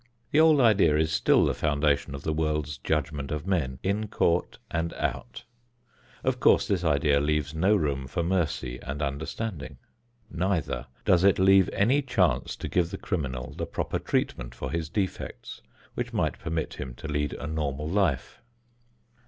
The old idea is still the foundation of the world's judgment of men, in court and out. Of course this idea leaves no room for mercy and understanding. Neither does it leave any chance to give the criminal the proper treatment for his defects which might permit him to lead a normal life.